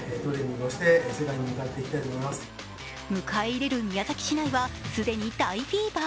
迎え入れる宮崎市内は既に大フィーバー。